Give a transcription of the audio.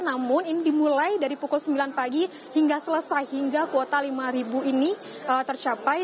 namun ini dimulai dari pukul sembilan pagi hingga selesai hingga kuota lima ini tercapai